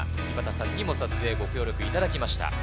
井端さんにも撮影、ご協力いただきました。